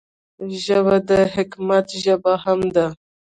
ژبه د حکمت ژبه هم ده